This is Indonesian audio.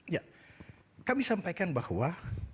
ya kami sampaikan bahwa